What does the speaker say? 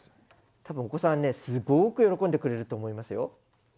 多分お子さんねすごく喜んでくれると思いますよ。